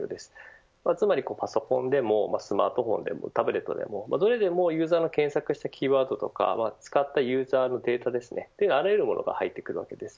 つまり、パソコンでもスマホでもタブレットでもどれでもユーザーの検索したキーワードとかは使ったユーザーのデータが入ってきます。